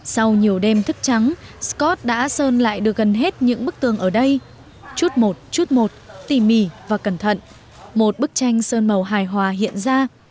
sau nhiều đêm thức trắng scott đã sơn lại được gần hết những bức tường ở đây chút một chút một tỉ mỉ và cẩn thận một bức tranh sơn màu hài hòa hiện ra